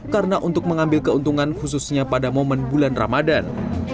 karena untuk mengambil keuntungan khususnya pada momen bulan ramadan